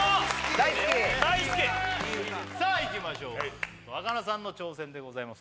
大好き大好きさあいきましょう若菜さんの挑戦でございます